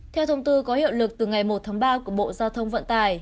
theo thông tư có hiệu lực từ ngày một tháng ba của bộ giao thông vận tải